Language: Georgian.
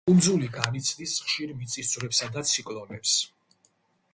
კუნძული განიცდის ხშირ მიწისძვრებს და ციკლონებს.